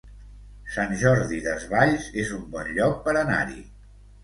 Sant Jordi Desvalls es un bon lloc per anar-hi